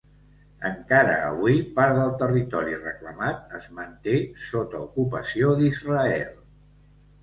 Encara avui, part del territori reclamat es manté sota ocupació d'Israel.